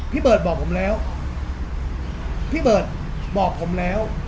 เบิร์ดบอกผมแล้วพี่เบิร์ตบอกผมแล้ว